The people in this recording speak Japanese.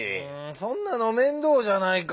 そんなの面倒じゃないかぁ。